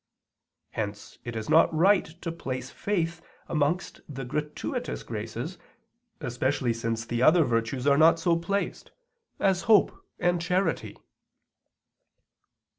Hence it is not right to place faith amongst the gratuitous graces, especially since the other virtues are not so placed, as hope and charity.